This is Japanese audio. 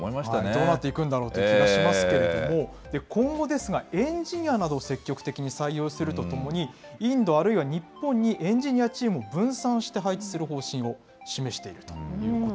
どうなっていくんだろうという気がしますけど、今後、エンジニアなどを積極的に採用するとともに、インドあるいは日本にエンジニアチームを分散して配置する方針を示しているというこ